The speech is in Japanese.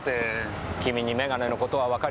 君に眼鏡の事はわかりません。